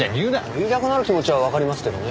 言いたくなる気持ちはわかりますけどね。